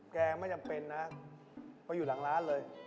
แกงไม่จำเป็นนะเพราะอยู่หลังร้านเลย